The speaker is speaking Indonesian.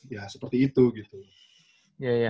ya seperti itu gitu